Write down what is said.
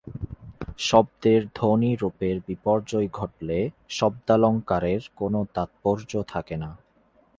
শব্দের ধ্বনিরূপের বিপর্যয় ঘটলে শব্দালঙ্কারের কোনো তাৎপর্য থাকে না।